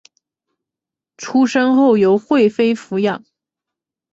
出生后由惠妃抚养。